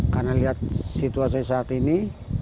karena lihat situasi saat ini